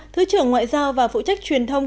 thứ trưởng ngoại giao và phụ trách truyền thông